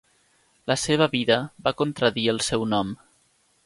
La seva vida va contradir el seu nom.